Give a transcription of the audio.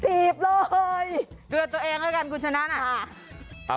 ถีบเลยเดือดตัวเองแล้วกันคุณฉันนั้น